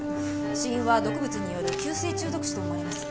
死因は毒物による急性中毒死と思われます。